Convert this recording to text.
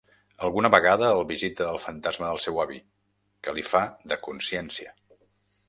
Alguna vegada el visita el fantasma del seu avi, que li fa de consciència.